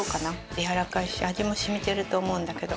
やわらかいし味も染みてると思うんだけど。